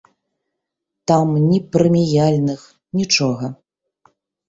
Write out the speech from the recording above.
Там ні прэміяльных, нічога.